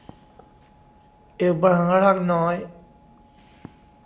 เอวบางร่างน้อย